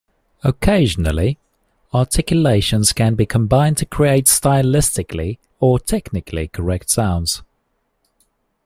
Occasionally, articulations can be combined to create stylistically or technically correct sounds.